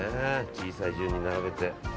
小さい順に並べて。